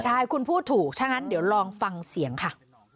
ใช่คุณพูดถูกถ้างั้นเดี๋ยวลองฟังเสียงค่ะ